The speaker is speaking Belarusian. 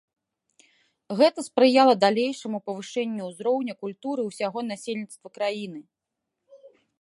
Гэта спрыяла далейшаму павышэнню ўзроўню культуры ўсяго насельніцтва краіны.